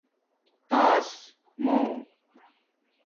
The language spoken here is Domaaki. تݳس مُݸ